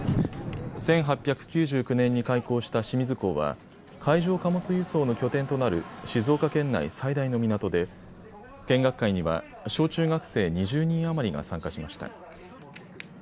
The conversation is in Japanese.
１８９９年に開港した清水港は海上貨物輸送の拠点となる静岡県内最大の港で見学会には小中学生２０人余りが参加しました。